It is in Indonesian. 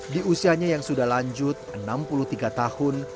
di usianya yang sudah lanjut enam puluh tiga tahun